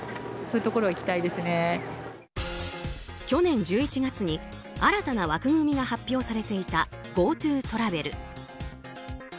去年１１月に新たな枠組みが発表されていたＧｏＴｏトラベル。